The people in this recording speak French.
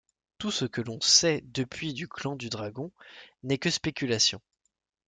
Tout ce que l'on sait depuis du clan du Dragon n'est que spéculation.